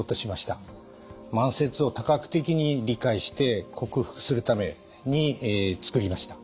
慢性痛を多角的に理解して克服するために作りました。